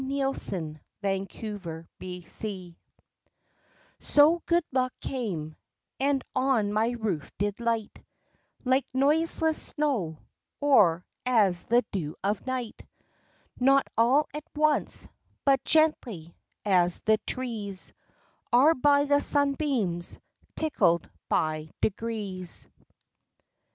THE COMING OF GOOD LUCK So Good Luck came, and on my roof did light, Like noiseless snow, or as the dew of night; Not all at once, but gently, as the trees Are by the sun beams, tickled by degrees.